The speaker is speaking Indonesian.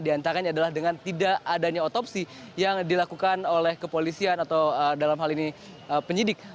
di antaranya adalah dengan tidak adanya otopsi yang dilakukan oleh kepolisian atau dalam hal ini penyidik